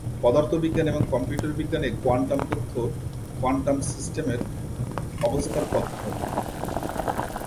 পদার্থবিজ্ঞান এবং কম্পিউটার বিজ্ঞানে কোয়ান্টাম তথ্য কোয়ান্টাম সিস্টেমের অবস্থার তথ্য।